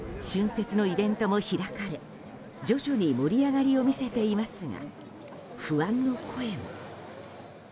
春節のイベントも開かれ、徐々に盛り上がりを見せていますが不安の声も。